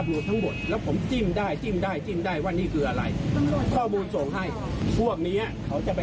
ก็แสดงว่าที่ต่อคนธรรมดิกคือคนธรรมดิพวกเขา